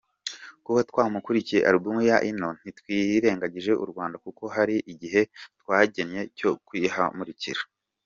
Kuba twamurikiye album yacu ino ntitwirengagije u Rwanda kuko hari igihe twagennye cyo kuyihamurikira.